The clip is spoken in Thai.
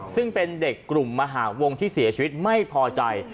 ซึ่งเป็นเด็กกลุ่มมหาวงที่เสียชีวิตไม่พอใจ